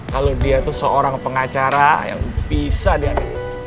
kalo dia tuh seorang pengacara yang bisa diadain